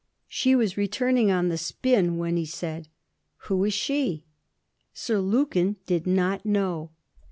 She was returning on the spin when he said, 'Who is she?' Sir Lukin did not know.